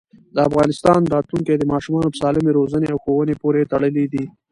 د افغانستان راتلونکی د ماشومانو په سالمې روزنې او ښوونې پورې تړلی دی.